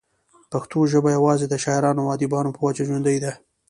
پښتو ژبه يوازې دَشاعرانو او اديبانو پۀ وجه ژوندۍ ده